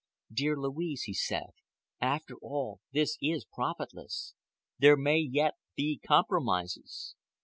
"Dear Louise," he said, "after all, this is profitless. There may yet be compromises."